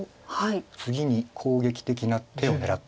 次に攻撃的な手を狙っています。